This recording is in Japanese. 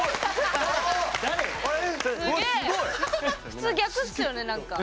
普通逆っすよねなんか。